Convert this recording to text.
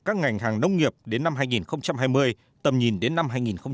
các ngành hàng nông nghiệp đến năm hai nghìn hai mươi tầm nhìn đến năm hai nghìn ba mươi